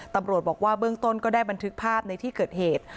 ตำรวจบอกว่าเบื้องต้นก็ได้บันทึกภาพในที่เกิดเหตุ